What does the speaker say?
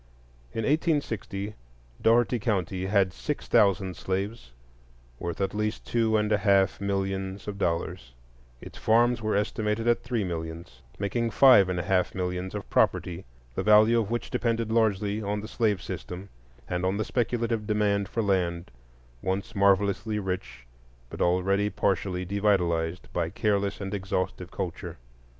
In 1860, Dougherty County had six thousand slaves, worth at least two and a half millions of dollars; its farms were estimated at three millions,—making five and a half millions of property, the value of which depended largely on the slave system, and on the speculative demand for land once marvellously rich but already partially devitalized by careless and exhaustive culture.